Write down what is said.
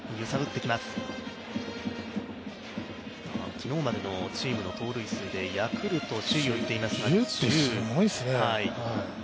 昨日までのチームの盗塁数でヤクルト、首位をいっていますが１０ってすごいですね。